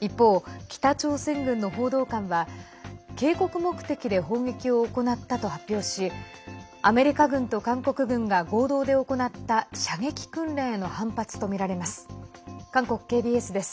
一方、北朝鮮軍の報道官は警告目的で砲撃を行ったと発表しアメリカ軍と韓国軍が合同で行った射撃訓練への反発とみられます。